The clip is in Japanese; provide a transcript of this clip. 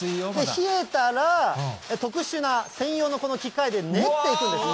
冷えたら特殊な、専用のこの機械で練っていくんです。